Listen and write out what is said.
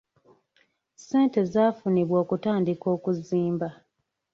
Ssente zaafunibwa okutandika okuzimba .